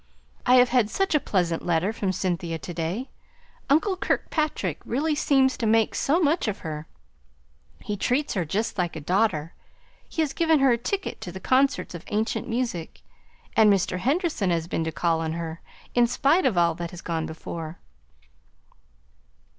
I have had such a pleasant letter from Cynthia to day. Uncle Kirkpatrick really seems to make so much of her, he treats her just like a daughter; he has given her a ticket to the Concerts of Ancient Music; and Mr. Henderson has been to call on her, in spite of all that has gone before."